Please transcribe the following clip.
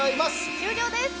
終了です。